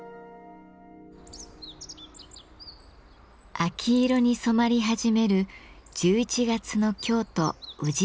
秋色に染まり始める１１月の京都・宇治市。